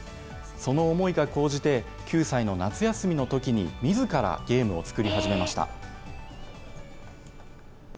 その思いが高じて、９歳の夏休みのときにみずからゲームを作り始めました。